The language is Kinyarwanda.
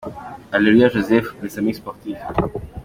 Aleluya Joseph – Les Amis Sportifs “”.